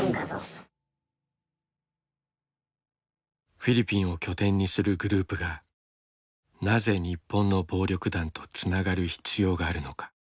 フィリピンを拠点にするグループがなぜ日本の暴力団とつながる必要があるのか。